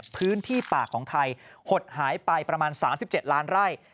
พื้นที่ป่าของไทยหดหายไปประมาณ๓๗ล้านไร่